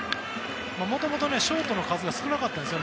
もともとショートの数が少なかったんですね。